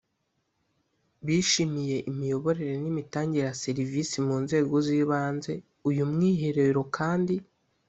bishimiye imiyoborere n imitangire ya serivisi mu nzego z ibanze uyu mwiherero kandi